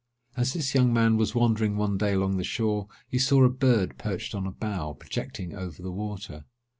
As this young man was wandering one day along the shore, he saw a bird perched on a bough, projecting over the water.